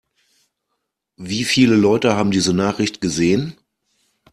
Wie viele Leute haben diese Nachricht gesehen?